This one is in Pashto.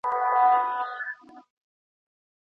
جګړه د انسانانو پر برخلیک لوبې کوي.